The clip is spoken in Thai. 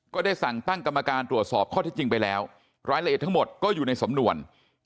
ก็ได้สั่งตั้งกรรมการตรวจสอบข้อที่จริงไปแล้วรายละเอียดทั้งหมดก็อยู่ในสำนวน